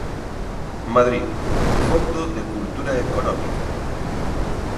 Madrid: Fondo de Cultura Económica.